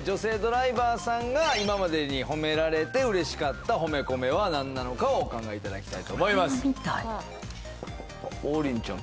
ドライバーさんが今までに褒められて嬉しかった褒めコメは何なのかをお考えいただきたいと思います王林ちゃん